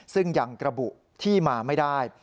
ซึ่งยังกระบุที่มาไม่ได้